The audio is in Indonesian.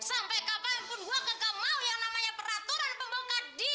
yang namanya peraturan pembangkadi